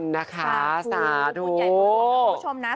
นามุลนะคะ